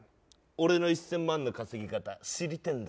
俺の１０００万の稼ぎ方知りてえんだ